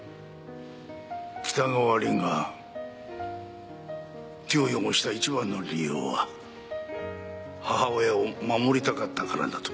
北川凛が手を汚した一番の理由は母親を守りたかったからだと。